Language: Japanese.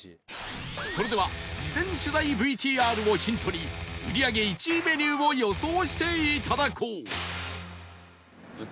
それでは事前取材 ＶＴＲ をヒントに売り上げ１位メニューを予想していただこう